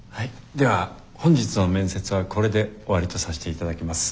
では本日の面接はこれで終わりとさせて頂きます。